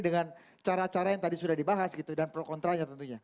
dengan cara cara yang tadi sudah dibahas gitu dan pro kontranya tentunya